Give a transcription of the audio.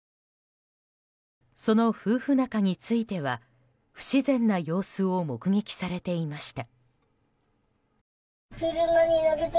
その夫婦仲については不自然な様子を目撃されていました。